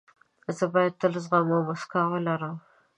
زه باید تل زغم او موسکا ولرم.